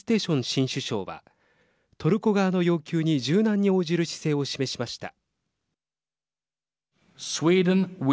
新首相はトルコ側の要求に柔軟に応じる姿勢を示しました。